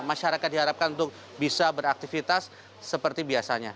masyarakat diharapkan untuk bisa beraktivitas seperti biasanya